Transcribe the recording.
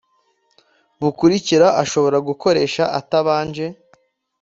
bukurikira ashobora gukoresha atabanje